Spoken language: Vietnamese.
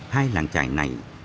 hai làng trại này